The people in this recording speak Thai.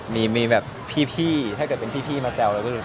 มีแบบพี่ถ้าเป็นพี่มาแซมคือจะเผ็ด